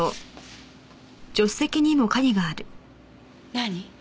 何？